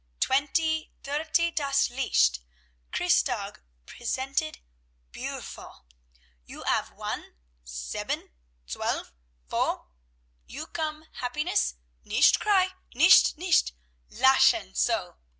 "Twenty, thirty das Licht! Christtag presented buful! You 'ave one, sieben, zwölf, four! You come happiness; nicht cry, nicht! nicht! Lachen! so!"